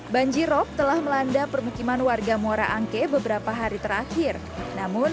banjirop telah melanda permukiman warga muara angke beberapa hari terakhir namun